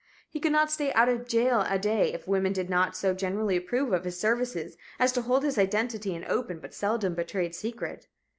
He could not stay out of jail a day if women did not so generally approve of his services as to hold his identity an open but seldom betrayed secret.